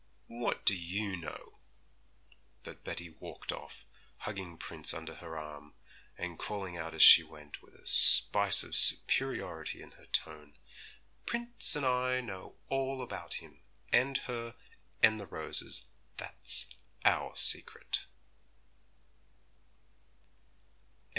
'What do you know?' But Betty walked off, hugging Prince under her arm, and calling out as she went, with a spice of superiority in her tone, 'Prince and I know all about him, and her, and the roses; that's our secret.'